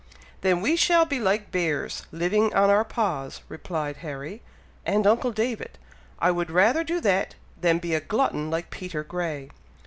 "Then we shall be like bears living on our paws," replied Harry, "and uncle David! I would rather do that, than be a glutton like Peter Grey.